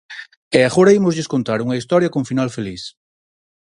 E agora ímoslles contar unha historia con final feliz.